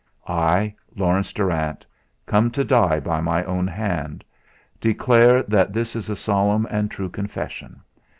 "I, Laurence Darrant, about to die by my own hand, declare that this is a solemn and true confession.